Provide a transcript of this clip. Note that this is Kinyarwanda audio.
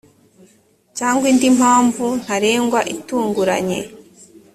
cyangwa indi mpamvu ntarengwa itunguranye